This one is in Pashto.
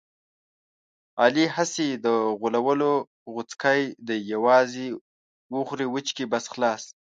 علي هسې د غولو غوڅکی دی یووازې وخوري وچکي بس خلاص.